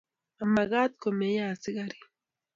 mamekat ko meyo askarik